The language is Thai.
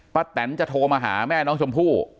แตนจะโทรมาหาแม่น้องชมพู่